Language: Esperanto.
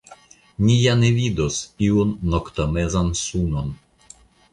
Ni ja ne vidos iun noktomezan sunon.